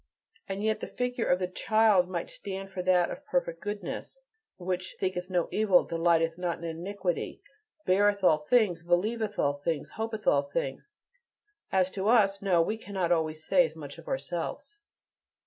And yet the figure of the child might stand for that of perfect goodness, which "thinketh no evil, delighteth not in iniquity, beareth all things, believeth all things, hopeth all things." As to us no, we cannot always say as much of ourselves.